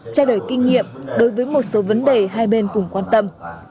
trao đổi kinh nghiệm đối với một số vấn đề hai bên cùng quan tâm